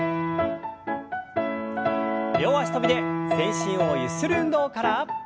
両脚跳びで全身をゆする運動から。